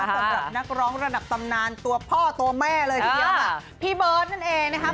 สำหรับนักร้องระดับตำนานตัวพ่อตัวแม่เลยทีเดียวค่ะพี่เบิร์ตนั่นเองนะครับ